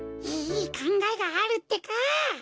いいかんがえがあるってか！